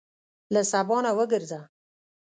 له سبا نه وګرځه.